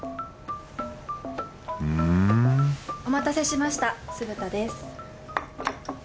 ふんお待たせしました酢豚です。